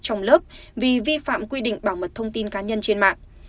trong lớp vì vi phạm quy định bảo mật thông tin cá nhân trên mạng